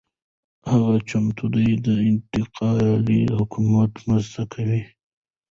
هغه چمتو دی د انتقالي حکومت مرسته وکړي.